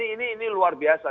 ini luar biasa